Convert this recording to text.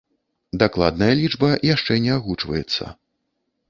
Дакладная лічба яшчэ не агучваецца.